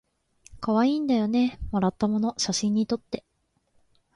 かわいいんだよねもらったもの写真にとって